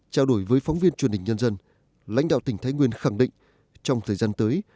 trao đổi với phóng viên truyền hình nhân dân lãnh đạo tỉnh thái nguyên khẳng định trong thời gian tới